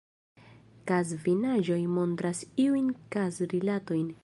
Kazfinaĵoj montras iujn kazrilatojn.